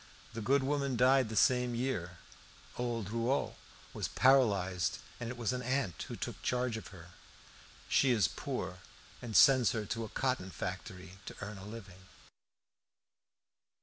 The good woman died the same year; old Rouault was paralysed, and it was an aunt who took charge of her. She is poor, and sends her to a cotton factory to earn a living.